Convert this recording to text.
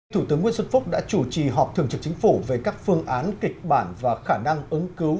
thủ tướng nguyễn xuân phúc đã chủ trì họp thường trực chính phủ về các phương án kịch bản và khả năng ứng cứu